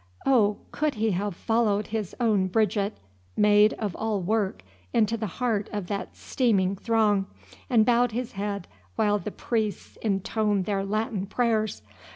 Oh, could he have followed his own Bridget, maid of all work, into the heart of that steaming throng, and bowed his head while the priests intoned their Latin prayers!